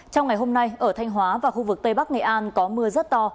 trong ngày hôm nay ở thanh hóa và khu vực tây bắc nghệ an có mưa rất to